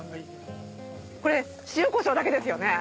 これ塩こしょうだけですよね？